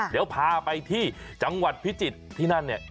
เดี๋ยวพาไปที่จังหวัดพิจิตรที่นั่นเนี่ย